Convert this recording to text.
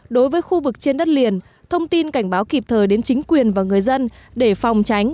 đối với khu vực trên đất liền thông tin cảnh báo kịp thời đến chính quyền và người dân để phòng tránh